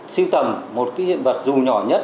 siêu tầm một cái hiện vật dù nhỏ nhất